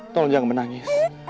tolong jangan menangis